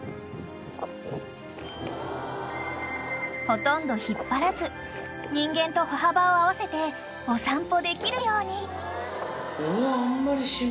［ほとんど引っ張らず人間と歩幅を合わせてお散歩できるように］